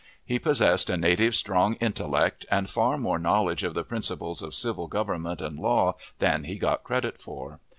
He possessed a native strong intellect, and far more knowledge of the principles of civil government and law than he got credit for.